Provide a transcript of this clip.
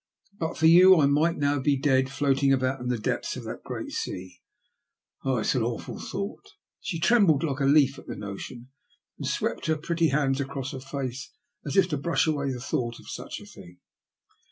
But for you I might now be dead, floating about in the depths of that great sea. Oh ! it is an awful thought." ' She trembled like a leaf at the notion, and swept her pretty hands across her face as if to brush away the thought of such a thing.